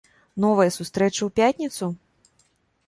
Новая сустрэча ў пятніцу?